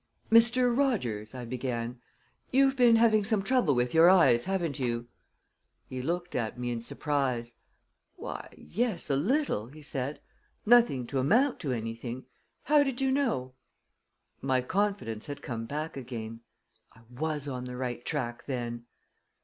"Mr. Rogers," I began, "you've been having some trouble with your eyes, haven't you?" He looked at me in surprise. "Why, yes, a little," he said. "Nothing to amount to anything. How did you know?" My confidence had come back again. I was on the right track, then!